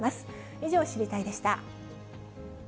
以上、知りたいッ！でした。